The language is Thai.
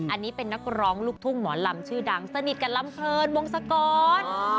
อันนี้เป็นนักร้องลูกทุ่งหมอลำชื่อดังสนิทกับลำเพลินวงศกร